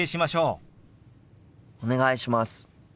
お願いします。